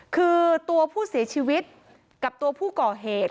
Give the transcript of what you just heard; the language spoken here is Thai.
คือตัวผู้เสียชีวิตกับตัวผู้ก่อเหตุ